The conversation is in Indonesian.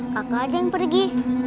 kakak aja yang pergi